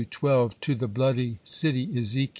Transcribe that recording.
12), to the bloody city (Ezek.